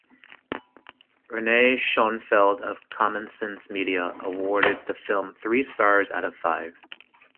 Renee Schonfeld of Common Sense Media awarded the film three stars out of five.